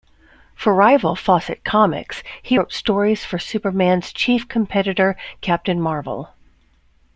For rival Fawcett Comics, he wrote stories for Superman's chief competitor Captain Marvel.